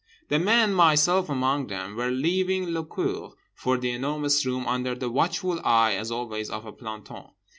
The men, myself among them, were leaving le cour for The Enormous Room under the watchful eye (as always) of a planton.